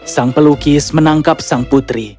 sang pelukis menangkap sang putri